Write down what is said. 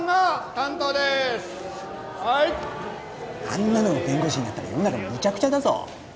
あんなのが弁護士になったら世の中むちゃくちゃだぞ